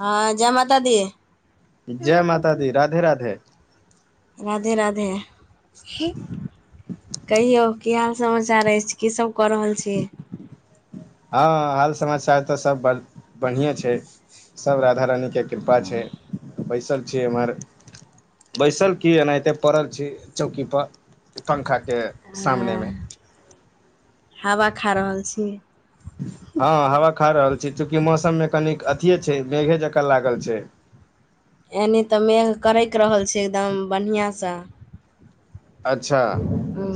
हँ जय माता दी जय नमस्ते माता दी जी राधे राधे राधे राधे कहियौ की हाल समाचार अछि की सब कऽ रहल छी हँ हाल समाचार तऽ सब बर बढ़िएँ छै सभ राधा रानीके कृपा छै बैसल छियै एम्हर बैसल की एनाहिते पड़ल छी चौकी पर पंखाकेँ सामने मे हँ हवा खा रहल छी हँ हवा खा रहल छी चूँकि मौसममे कनिक अथिये छै मेघे जकाँ लागल छै एनी तऽ मेघ करैक रहल छै एकदम बढ़िआसँ अच्छा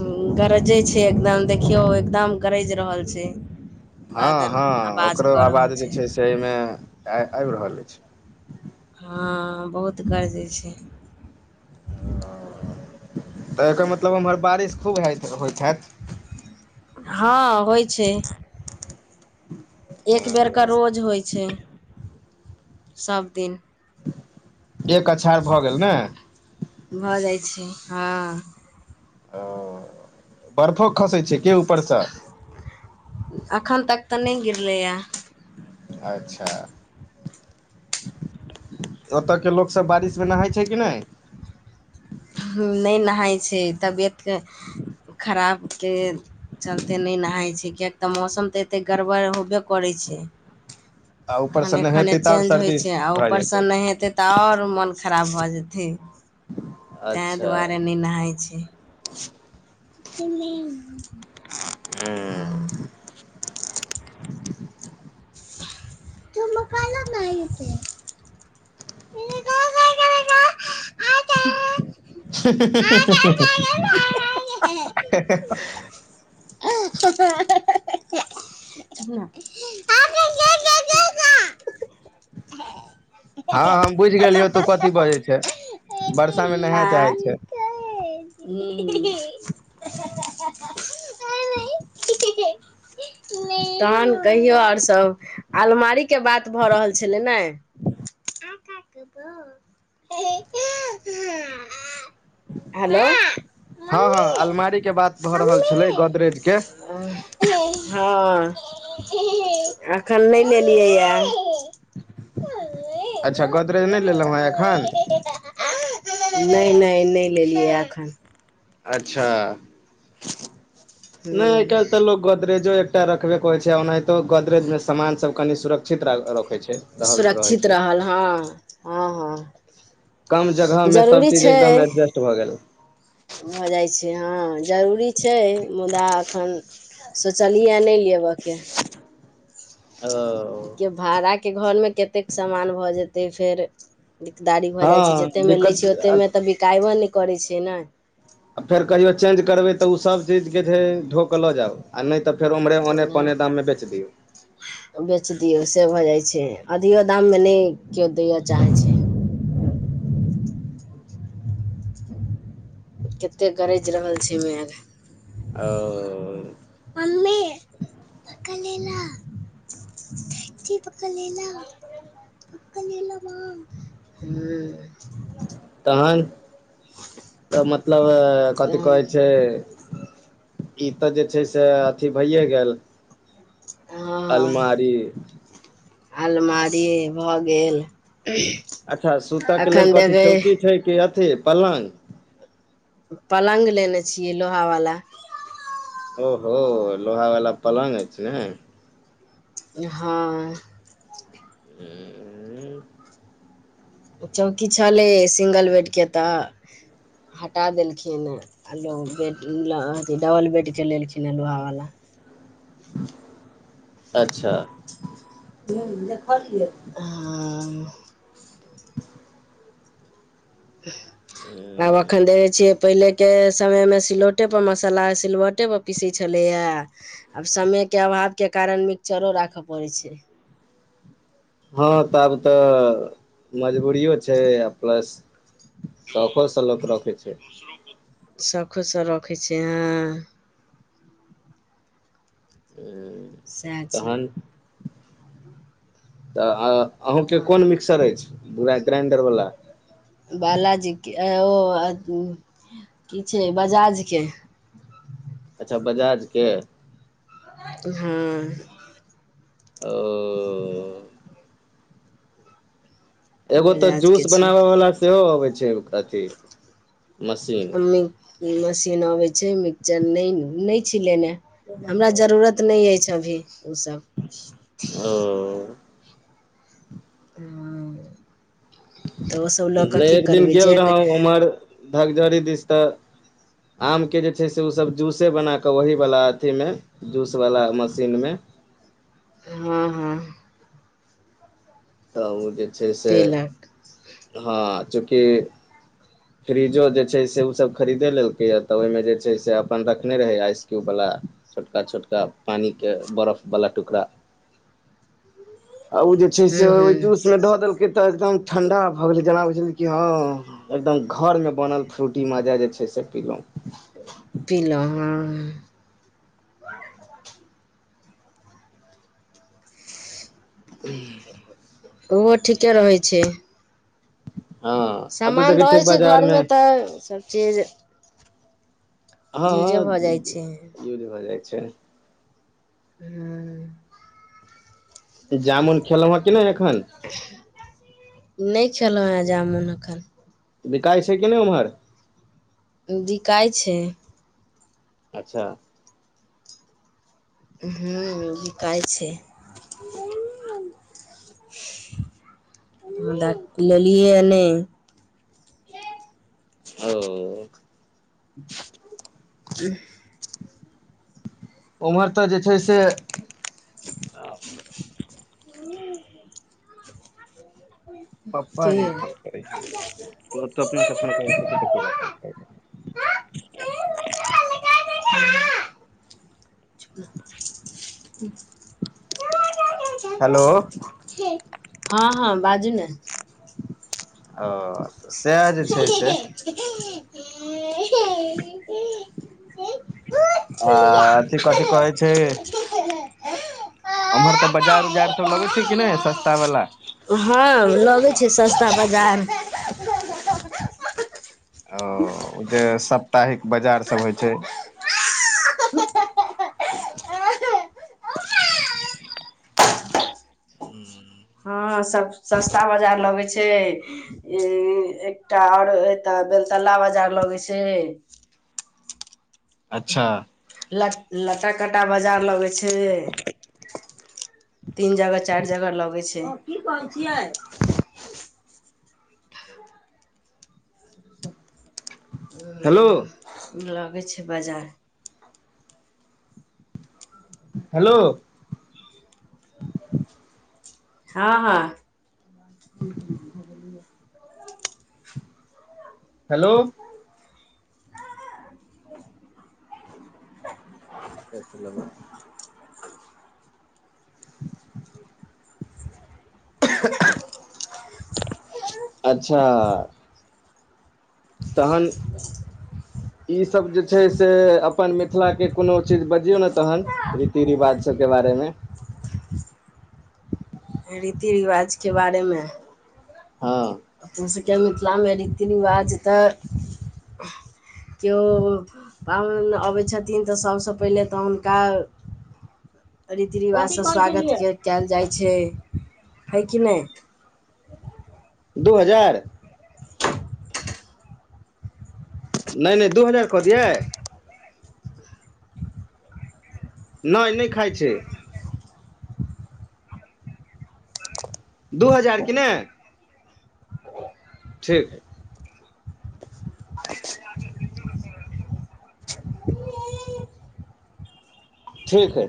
हूँ गरजै छै एकदम देखियौ एकदम गरजि रहल छै हँ बादल हँ आवाज ओकरो कऽ रहल आवाज जे छै से एहिमे आबि रहल अछि हँ बहुत गरजै छै तऽ एकर मतलब ओमहर बारिश खूब हइ होइत हैत हँ होइ छै एक बेर केँ रोज होइ छै सबदिन एक अछार भऽ गेल नै भऽ जाइ छै ह ओ बर्फो खसे छै के ऊपर सँ एखन तक तऽ नहि गेलिए य अच्छा। ओतय के लोक सभ बारिश मे नहाय छै कि नहि नहि नहाइ छै तबियतके खराबके चलते नहि नहाय छै कियक तऽ मौसम तऽ एते गड़बड़ होबे करैत छै। आ ऊपर से खने खने नहेतै तऽ आओर चेंज होइ सर्दी छै आ भऽ उपर से जेतै नहि हेतै तऽ आओर मोन खराब भऽ जेतै तैहि अच्छा दुआरे नहि नहाई छै। [inaudible] मम्मी हैं। तऽ मे कह लना इते [unintelligible] ह, ह [unintelligible] ह ह, हम बुझि गेलियौ तू कथि बजै छै आँय वर्षा मे नहा चाहैत छै ह। [unintelligible] तहन कहियो आर सभ अलमारी के बात भऽ रहल छलै ने। [unintelligible] हेलो हँ हँ अलमारी के बात भऽ रहल छलै गोदरे के आ हँ। एखन नहि लेलियैए अच्छा गोदरेज नहि लेलहुँ एखन नहि, नहि, नहि लेलियै एखन। अच्छा नहि हूँ एकटा तऽ लोक। गोदरेजो एकटा रखे के होइ छै ओनाहितो गोदरेज में सामान सभ कनि सुरक्षित रखे छै। रहल रहै सुरक्षित छै रहल हँ हँ कम जगह मे सभ जरूरी चीज एकदम छै एडजस्ट भए गेल भऽ जाइ छै, हँ जरूरी छै, मुदा एखन। सोचलियै नहि लेबयके। ओ। के भाड़ाके घरमे कते कऽ सामान भऽ जेतै फेर दिकदारी भऽ जाइत छै, हँ जतेकमे लै दिक्कत छै ओतेकमे तऽ बिकायबो नहि करै छै ने आ फेर कहियौ चेज करबै तऽ ओसभ चीजके जे छै धढो कऽ लऽ जाउ आओर नहि तऽ फेर ओमहे ओने पने दामे बेचि दियौ बेच दियौ से भऽ जाइ छै अधियो दामे नहि केओ दैअ चाहैत छै। कते गरजि रहल छै मैघ आ। मम्मी कह ने [unintelligible] पके लना पा [unintelligible] तखन तऽ मतलब कथि कहै छै। ई तऽ जे छै से अथि भइए गेल हँ, अलमारी अलमारी भऽ गेल। अच्छा सुत के लेल एखन कथी देखे चौकी छै कऽ अथि पालांग पकंग लेने छियै लोहावला। ओहो लोहा वाला पलगं अछि ने हँ। ह। चौकि छलै सिंगल बेडके तऽ हटा देलखिन आो बेड अथि डबल बेड चलेलखिन हँ लोहावला अच्छा, ह देखलै हँ आब एखन देखै छियै। पहिले के समय मे सिलौटेपर मसाला सिलौटेपर पीसै छलै आब समय के अभाव के कारण मिक्सचरो राखय पड़ैत छै। हँ तऽ आब तऽ मजबूरियो छै आ प्लस सफ सलक रखे छै। सभकिछु सँ रखै छियै हहाँ ह। सएह छै। तऽ अहूँकेँ कोन तऽ मिक्सर अछिूरा ग्राइंडरवला बालाजीके कि छै बजाजके अच्छा बजाजके। हँ। ओ। एगो तऽ जूस बजाजके छै बनाबय वाला सेहो अबै छै अथि मशीन मि मशीन अबै छै मिक्सचर नहि नहि छै लेनाइ हमरा जरूरत नहि अछि, अभी ओसभ ओ। आ। एक दिन करबै गेल जे रहौ उम्हर। धकझड़ी दिस तऽ आमके जे छै से से ओ सभ जूसे बनाक ओह वाला अथि मे जूस वाला मशीन मे हँ, हँ। तऽ ओ जे छै सँ पीलक हँ चूँकि। ह। फ्रिजो जे छै से ओसभ खरीदे लेकै य तऽ ओहिमे जे छै से अपन रखने रहै आइसक्यूब वाला छोटका छोटका पानिकऽ के बरफवाला टुकड़ा ह। ओ जे छै से ओ जूस मे धऽ देलक के तऽ एकदम ठंडा भऽ गेलै जेना ह एकदम घरमे बनल फ्रूटी माँजा जे छै से पिलहुँ। पिलौ ह ह। ओहो ठीके रहै छै। हँ आब तऽ सामान देखै रहै छियै छै, घर बाजारमे मे तऽ सभचीज हँ, भऽ जाइ हँ छै यै भज छै ह। जामुन खेलहूँ कि नहि एखन नहि खेलहुँ हन जामुन एखन तऽ बिकाइ छै, कि नहि ओम्हर? बिकाइ छै। अच्छा। ह्म बिकाइ छै लेलियै नहि ओ। उ। ओम्हर तऽ जे छै सँ हू। पप्पाजी फोन करै छै तत अपनासँ फोन करै फोन करै ह। हेलो ओ हँ, हँ बाजू ने? ओ सएह जे हँ छै [unintelligible] [inaudible] अथि कथि कहै छै उमहर तऽ बाजार उजार सभ लगे छै कि नहि सस्ता वाला हँ, लगैत छै, सस्ता बजार। आ, ओ जे सप्ताहिक बाजार सभ होइ छै हँ सभ सस्ता बाजार लगै छै ई एकटा आओर एटा बेताला बाजार लगै छै अच्छा। लटा काटा बाजार लगै छै। [inaudible] तीन जगह चारि जगह ल ह, कि कहै छियै हेलो हू, लगै छै बाजार हेलो। हँ ज बिलिये हेलो। [inaudible] असल [inaudible] अच्छा। तखन। ई सभ जे छै से अपन मिथिला के कोनो चीज बजियौ ने तहन रीति रिवाज सभके बारे मे रीति रिवाज के बारेमे हँ। हम सभके मिथिला मे रीति रिवाज तऽ केओ पाहुन अबै छथिन तऽ सभसँ पहिले तऽ हुनका रीति कथी रिवाजसँ कहै स्वागत छलियै कयल जाइ छै हइ की नय दू हजार नय नय दू हजार कऽ दियै नइ नइ खाई छै दू हजार की ने ठीक हइ अे [inaudible] ठीक हय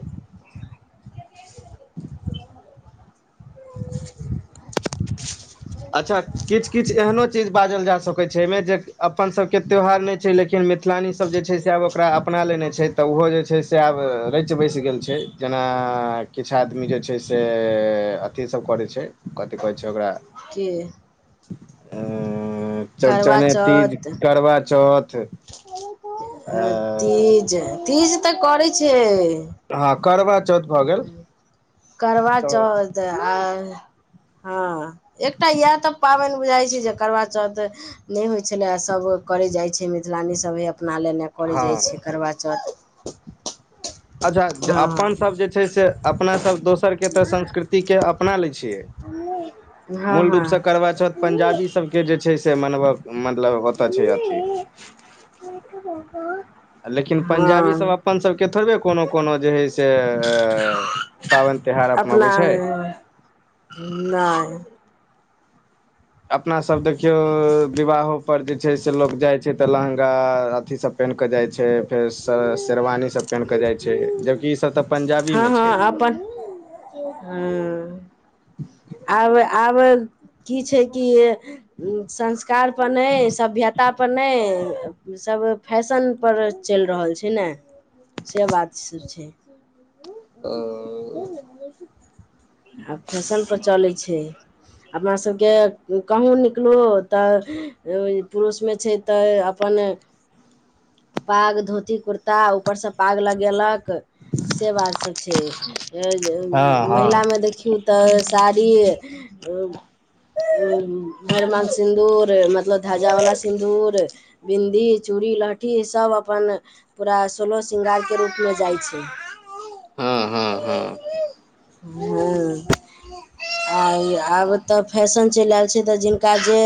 [unintelligible] अच्छा किछ किछ एहनो चीज बाजल जा सकैत छै एहिमे जे अपन सबके त्यौहार नहि छै लेकिन मिथलानी सब जे छै से आब ओकरा अपना लेने छै तऽ ओहो जे छै से आब रचि बसि गेल छै जेना किछ आदमी जे छै से अथीसब करै छै कथ कहै छै ओकरा के अ करवा चौड़चने तीज चौथ करबा चौथ आ तीज तीज तऽ करै छय हँ करबा चौथ भऽ गेल करबा तऽ चौथ आ हँ एकटा इएह तऽ पाबनि बुझाई छै जे करबा चौथ नय होइ छलै आ सभ करे जाइत छै मिथिलानी सब हे अपना लेने करय जाई हँ छै करबा चौथ अच्छा हँ अपन सब जे छै से अपना सब दोस्त सर के तऽ संस्कृति के अपना लै छियै हँ मूल रूपसँ हँ करबा चौथ पंजाबी सबके जे छै से मनब मतलब होत छै अथी ई त ब [unintelligible] लेकिन पंजाबीसब अपनसबके थोड़बे कोनो कोनो जे हइ से पाबनि तिहार अपनबै छै नय अपना सब देखियौ विवाहो पर जे छै से लोक जाई छै तऽ लहँगा अथीसँ पेन्ह कऽ जाई छै फेर शेरवानी सब पहिन कऽ जाई छै जबकि ई सब तऽ पंजाबी मे छै हूँ [inaudible] आब आब की छै की संस्कार पर नय सभ्यता ता पर नय सब फैशन पर चलि रहल छै ने से बात छै ओ आब फैशन पर चलै छै अपना सबके कहूँ निकलू तऽ पुरुषमे छै तऽ अपन पाग धोती कुर्ता ऊपर सब पाग लगेलक से बात सब छै हँ हँ महिलामे देखियौ तऽ साड़ी हं भरमांग सिन्दूर मतलब ध्वजावला सिन्दूर बिन्दी चूड़ी लहठी सभ अपन पूरा सोलहो श्रंगारके रूपमे जाई छै हँ हँ हँ [unintelligible] [unintelligible] आ आब तऽ फैशन चलि आयल छै तऽ जिनका जे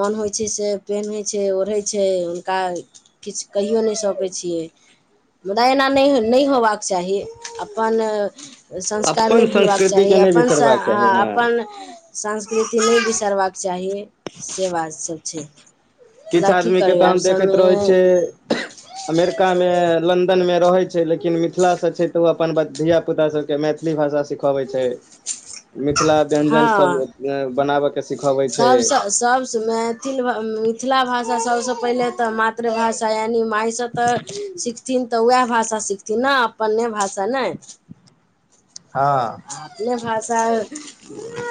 मोन होइ छै से पेन्है छै ओढ़ै छै हुनका किछ कहिओ नहि सकय छियै मुदा एना नहि नहि होयबाक चाहि अपन संस्कार नहि अपन भूलबाक संस्कृति चाहि के नहि अपन बिसरबाक चाही अह हँ अपन संस्कृति नहि बिसरबाक चाहि से बात सब छै किछ मुदा की आदमीे करबै आब तहन देखैत रहै छै समय अमेरिका मे लन्दन मे रहै छै लेकिन मिथिला से छै तऽ ओ अपन धिय पुता सबके मै मैथिली भाषा सिखाबे छै मिथिला व्यंजन हँ सब बनाब के सिखबै छै सबसँ सबसँ मैथिल मिथिला भाषा सबसँ पहिले तऽ मातृभाषा यानि माइसँ तऽ सीखथिन तऽ उएह भाषा सीखथिन ने अपने भाषा नाए हँ [unintelligible]